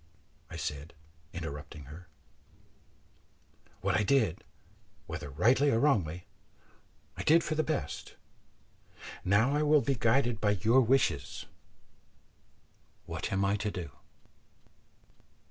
I said, interrupting her; "what I did, whether rightly or wrongly, I did for the best. Now I will be guided by your wishes. What am I to do?"